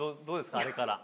どうですか？